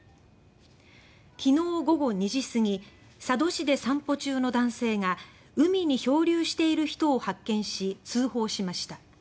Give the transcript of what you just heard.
昨日午後２時過ぎ佐渡市で散歩中の男性が海に漂流している人を発見し通報しました。